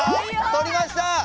とりました！